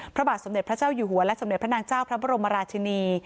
พระบาทสมเด็จพระเจ้าอยู่หัวและสมเด็จพระนางเจ้าพระบรมราชินี